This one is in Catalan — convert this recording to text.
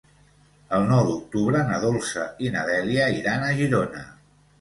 El nou d'octubre na Dolça i na Dèlia iran a Girona.